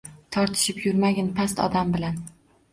«Tortishib yurmagin past odam bilan!»